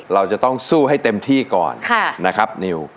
เราจะต้องสู้ให้เต็มที่ก่อนนะครับนิว